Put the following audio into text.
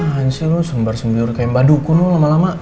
tahan sih lo sembar sembur kayak mbak dukun lo lama lama